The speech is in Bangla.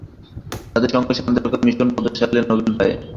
জাতিসংঘ শান্তিরক্ষা মিশন কত সালে নোবেল পায়?